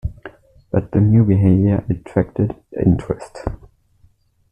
But the new behavior attracted interest.